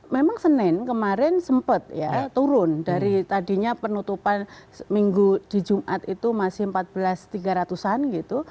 memang senin kemarin sempat ya turun dari tadinya penutupan minggu di jumat itu masih empat belas tiga ratus an gitu